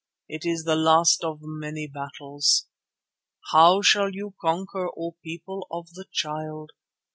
It is the last of many battles. How shall you conquer, O People of the Child?